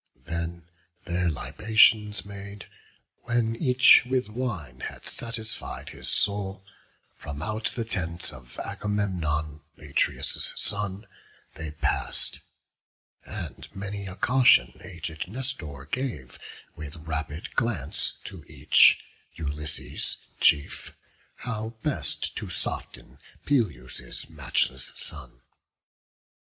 Then, their libations made, when each with wine Had satisfied his soul, from out the tent Of Agamemnon, Atreus' son, they pass'd; And many a caution aged Nestor gave, With rapid glance to each, Ulysses chief, How best to soften Peleus' matchless son.